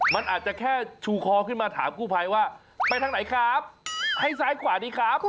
มันอาจจะแค่ชูคอขึ้นมาถามกู้ภัยว่าไปทางไหนครับให้ซ้ายขวาดีครับ